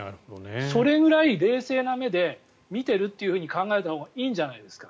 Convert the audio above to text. それぐらい冷静な目で見ているというふうに考えたほうがいいんじゃないですか。